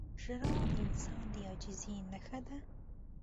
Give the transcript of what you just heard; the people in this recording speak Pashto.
• ژړا د انسان د عاجزۍ نښه ده.